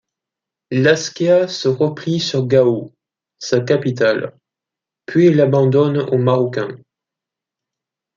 L'Askia se replie sur Gao, sa capitale, puis l'abandonne aux Marocains.